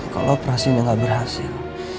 kalau operasinya gak berhasil